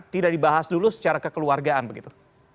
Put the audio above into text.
tidak dibahas dulu secara kekeluargaan begitu